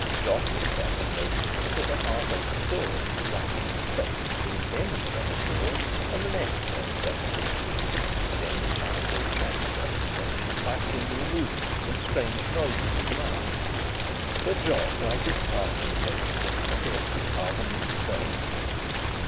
Jock was standing motionless at a half open door to the right of the space between Denry's double doors and the next pair of double doors. Denry tried to attract his attention by singular movements and strange noises of the mouth. But Jock, like his partner the coachman, appeared to be carven in stone.